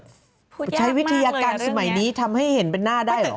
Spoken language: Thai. พูดยากมากเลยหรือเรื่องนี้ใช้วิธียาการสมัยนี้ทำให้เห็นเป็นหน้าได้หรือ